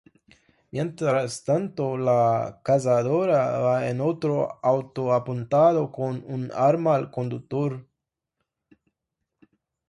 Mientras tanto, "La cazadora" va en otro auto apuntando con un arma al conductor.